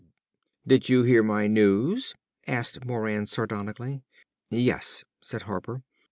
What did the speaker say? "Did you hear my news?" asked Moran sardonically. "Yes," said Harper.